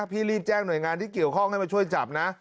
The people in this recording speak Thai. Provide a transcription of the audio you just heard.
รีบแจ้งหน่วยงานที่เกี่ยวข้องให้มาช่วยจับนะ